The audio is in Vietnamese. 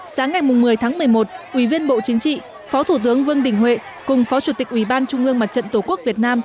sáng ngày một mươi tháng một mươi một ủy viên bộ chính trị phó thủ tướng vương đình huệ cùng phó chủ tịch ủy ban trung ương mặt trận tổ quốc việt nam